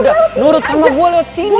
udah nurut sama gue lewat sini